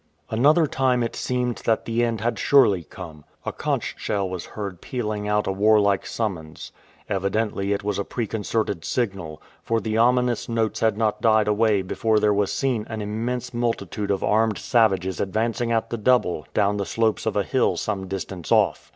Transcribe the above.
Another time it seemed that the end had surely come. A conch shell was heard pealing out a warlike summons. Evidently it was a preconcerted signal, for the ominous notes had not died away before there was seen an immense multitude of armed savages advancing at the double down the slopes of a hill some distance off.